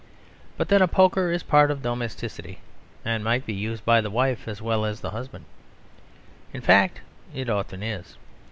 But then a poker is a part of domesticity; and might be used by the wife as well as the husband. In fact, it often is.